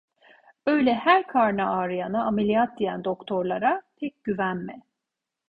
Öyle her karnı ağrıyana ameliyat diyen doktorlara pek güvenme.